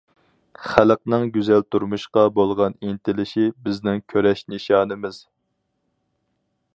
‹‹ خەلقنىڭ گۈزەل تۇرمۇشقا بولغان ئىنتىلىشى بىزنىڭ كۈرەش نىشانىمىز››.